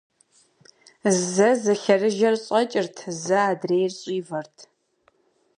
Зэ зы лъэрыжэр щӀэкӀырт, зэ адрейр щӀивэрт.